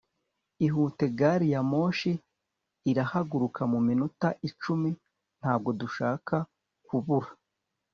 ihute. gari ya moshi irahaguruka mu minota icumi. ntabwo dushaka kubura